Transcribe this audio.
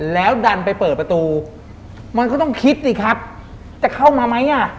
แล้วดันไปเปิดประตูมันก็ต้องคิดสิครับจะเข้ามาไหมอ่ะ